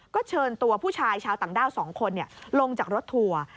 ก็เชิญตัวผู้ชายชาวต่างด้าว๒คนลงจากรถทัวร์